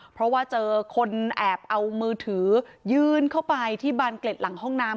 เพราะว่าเจอคนแอบเอามือถือยื่นเข้าไปที่บานเกล็ดหลังห้องน้ำ